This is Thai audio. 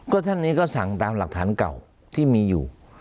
ก็ท่านนี้ก็สั่งตามหลักฐานเก่าที่มีอยู่